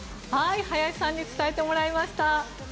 林さんに伝えてもらいました。